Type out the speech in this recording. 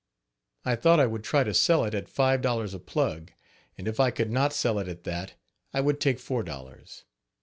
I thought I would try to sell it at five dollars a plug, and if I could not sell it at that I would take four dollars.